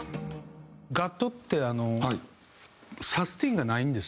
ガットってあのサスティンがないんですよ。